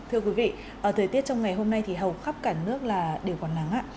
thưa quý vị thời tiết trong ngày hôm nay thì hầu khắp cả nước là đều còn nắng